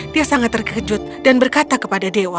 dia sangat terkejut dan berkata kepada dewa